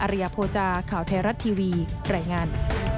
อริยโภจารย์ข่าวไทยรัฐทีวีแหล่งงาน